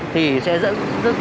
thì sẽ dẫn